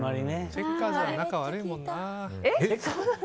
チェッカーズは仲悪いもんな。